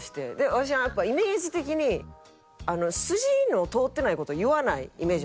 ワシやっぱイメージ的に筋の通ってない事言わないイメージなんですよ天海さん。